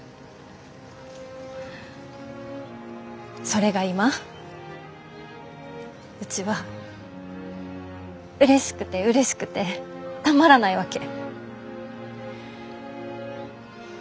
それが今うちはうれしくてうれしくてたまらないわけ。